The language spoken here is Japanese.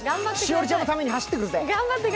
栞里ちゃんのために走ってくるぜ！